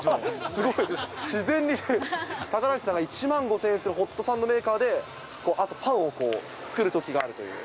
すごい、自然に高梨さんが１万５０００円するホットサンドメーカーで、朝、パンを作るときがあるという。